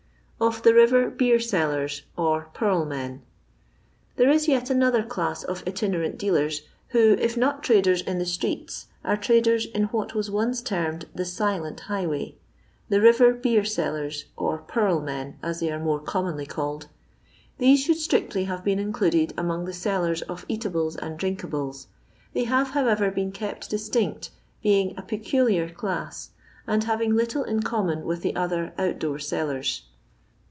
Of tub Eiybr Bxbb Sellbbs, ok PusL ltor. Thxrb is yet another class of itinerant dealers who, if not traders in the streets, are traders in what was once termed the silent highway — the river beer sellers, or purl men, as they are more commonly called. These should strictly have been included among the sellers of eatables and drink ables ; they have, however, been kept distinct, being a peculiar ckss, and having little in common vrith the other out door sellers.